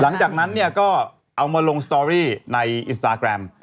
หลังจากนั้นเนี่ยก็เอามาลงสตอรี่ในอินสตาแกรม